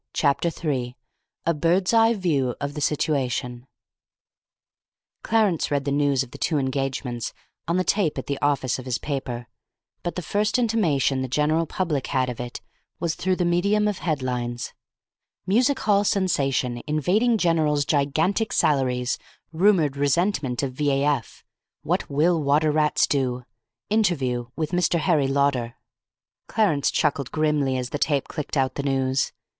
Chapter 3 A BIRD'S EYE VIEW OF THE SITUATION Clarence read the news of the two engagements on the tape at the office of his paper, but the first intimation the general public had of it was through the medium of headlines: MUSIC HALL SENSATION INVADING GENERALS' GIGANTIC SALARIES RUMOURED RESENTMENT OF V.A.F. WHAT WILL WATER RATS DO? INTERVIEW WITH MR. HARRY LAUDER Clarence chuckled grimly as the tape clicked out the news.